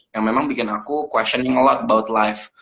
yang memang bikin aku questioning a lot about life